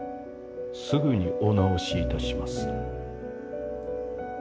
すぐにお直しいたします。